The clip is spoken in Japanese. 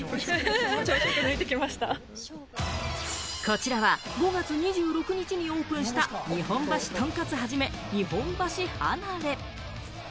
こちらは５月２６日にオープンした「日本橋とんかつ一日本橋はなれ」。